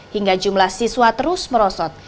hingga jumlah siswa terus merosot